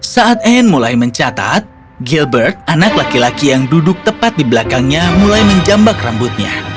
saat anne mulai mencatat gilbert anak laki laki yang duduk tepat di belakangnya mulai menjambak rambutnya